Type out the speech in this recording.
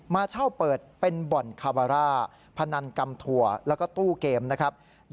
มาเช่าเปิดเป็นบ่อนคาบาร่าพนันกำถั่วแล้วก็ตู้เกมนะครับ